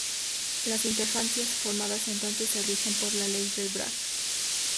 Las interferencias formadas entonces se rigen por la ley de Bragg.